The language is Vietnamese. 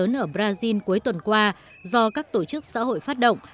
trong các cuộc biểu tình cuối tuần qua do các tổ chức xã hội phát động